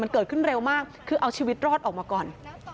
มันเกิดขึ้นเร็วมากคือเอาชีวิตรอดออกมาก่อน